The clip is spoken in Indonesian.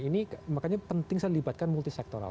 ini makanya penting saya libatkan multi sektoral